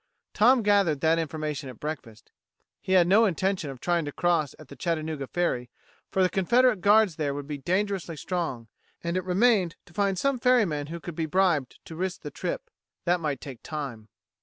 Tom gathered that information at breakfast. He had no intention of trying to cross at the Chattanooga ferry, for the Confederate guards there would be dangerously strong, and it remained to find some ferryman who could be bribed to risk the trip. That might take time.